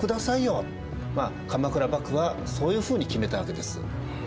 まあ鎌倉幕府はそういうふうに決めたわけです。